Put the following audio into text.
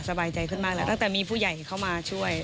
สบายใจขึ้นมากแล้วตั้งแต่มีผู้ใหญ่เข้ามาช่วย